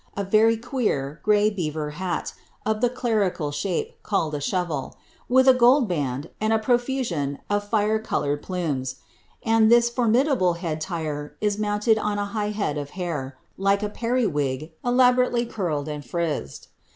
a very queer grey beaver hat, of the clerical shape, called a shovel, ni:U a gold band and a profusion of fire coloured plumes, and this formiilaWe head tire is mounted on a high head of hair, like a periwig, elaborjitiv CKrleii and frizzed.